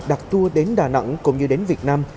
đặt tour đến đà nẵng cũng như đến việt nam